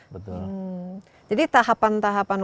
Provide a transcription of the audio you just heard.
betul jadi tahapan tahapan